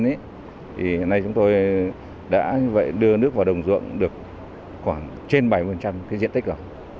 thì hiện nay chúng tôi đã như vậy đưa nước vào đồng ruộng được khoảng trên bảy mươi cái diện tích rồi